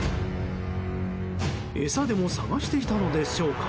餌でも探していたのでしょうか。